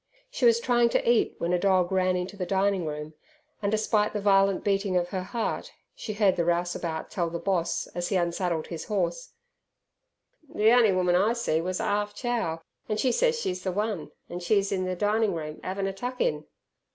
She was trying to eat when a dog ran into the dining room, and despite the violent beating of her heart, she heard the rouseabout tell the boss as he unsaddled his horse, "The on'y woman I see was a 'alf chow, an' she ses she's the one, an' she's in ther dinin'room 'avin' a tuck in."